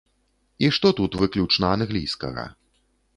І што тут выключна англійскага?